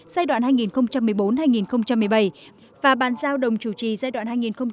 giai đoạn hai nghìn một mươi bốn hai nghìn một mươi bảy và bàn giao đồng chủ trì giai đoạn hai nghìn một mươi sáu hai nghìn hai mươi